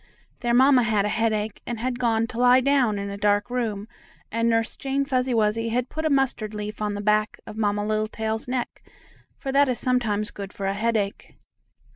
Their mamma had a headache, and had gone to lie down in a dark room, and Nurse Jane Fuzzy Wuzzy had put a mustard leaf on the back of Mamma Littletail's neck, for that is sometimes good for a headache.